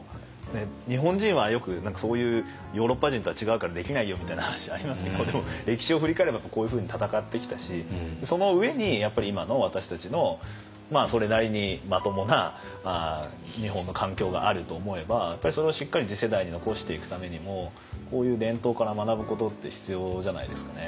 日本人はよく何かそういうヨーロッパ人とは違うからできないよみたいな話ありますけどでも歴史を振り返ればこういうふうに闘ってきたしその上にやっぱり今の私たちのそれなりにまともな日本の環境があると思えばやっぱりそれをしっかり次世代に残していくためにもこういう伝統から学ぶことって必要じゃないですかね。